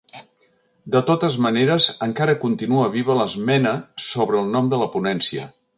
De totes maneres, encara continua viva l’esmena sobre el nom de la ponència.